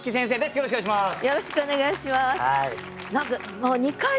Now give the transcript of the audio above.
よろしくお願いします。